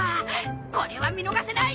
これは見逃せない！